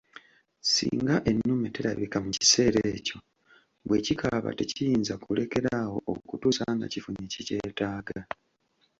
Singa ennume terabika mu kiseera ekyo bwekikaaba tekiyinza kulekeraawo okutuusa nga kifunye kye kyetaaga.